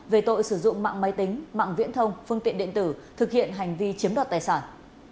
về tội sử dụng mạng máy tính mạng viễn thông phương tiện điện tử thực hiện hành vi chiếm đoạt tài sản